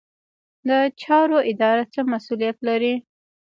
د چارو اداره څه مسوولیت لري؟